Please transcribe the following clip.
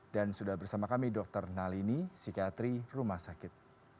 dan sudah bersama kami dr nalini psikiatri rumah sakit